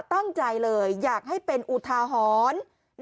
ตั้งใจเลยอยากให้เป็นอุทาหรณ์